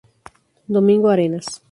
Domingo Arenas